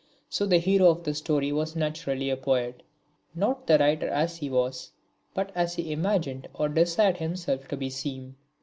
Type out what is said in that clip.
So the hero of the story was naturally a poet, not the writer as he was, but as he imagined or desired himself to seem.